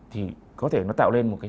thì có thể nó tạo lên một cái